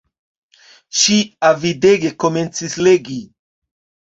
Ŝi avidege komencis legi.